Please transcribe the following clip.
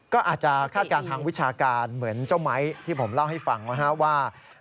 ก็อาจจะคาดการณ์ทางวิชาการเหมือนเจ้าไม้ที่ผมเล่าให้ฟังนะครับว่า